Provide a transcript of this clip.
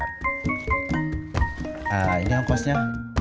nah ini angkosnya